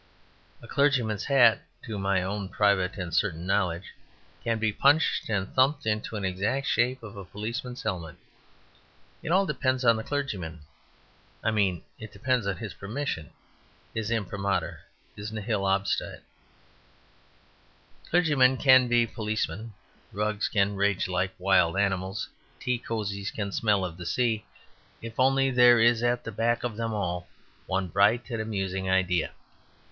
A clergyman's hat (to my own private and certain knowledge) can be punched and thumped into the exact shape of a policeman's helmet; it all depends on the clergyman. I mean it depends on his permission; his imprimatur; his nihil obstat. Clergymen can be policemen; rugs can rage like wild animals; tea cosies can smell of the sea; if only there is at the back of them all one bright and amusing idea.